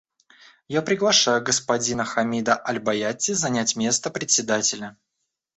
Я приглашаю господина Хамида аль-Баяти занять место Председателя.